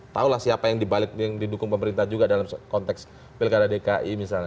tahulah siapa yang dibalik yang didukung pemerintah juga dalam konteks pilkada dki misalnya